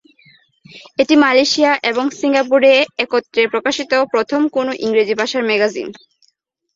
এটি মালয়েশিয়া এবং সিঙ্গাপুরে একত্রে প্রকাশিত প্রথম কোন ইংরেজি ভাষার ম্যাগাজিন।